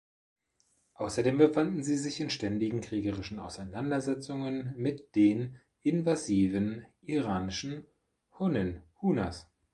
Außerdem befanden sie sich in ständigen kriegerischen Auseinandersetzungen mit den invasiven iranischen Hunnen "(Hunas)".